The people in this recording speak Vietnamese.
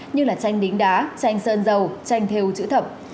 như là tranh đính đá tranh sơn dầu tranh theo chữ thẩm